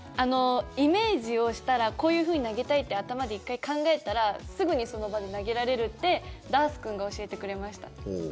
イメージをしたらこういうふうに投げたいって頭で１回考えたらすぐにその場で投げられるってダース君が教えてくれました。